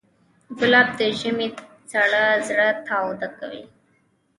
ګلاب د ژمي سړه زړه تاوده کوي.